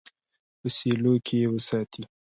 په سیلو کې یې وساتي.